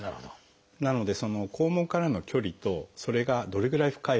なので肛門からの距離とそれがどれぐらい深いのか。